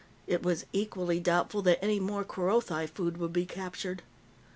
It was equally doubtful that any more Kerothi food would be captured.